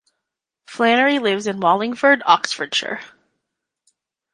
Flannery lives in Wallingford, Oxfordshire.